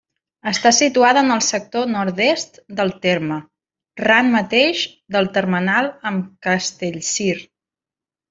Està situada en el sector nord-est del terme, ran mateix del termenal amb Castellcir.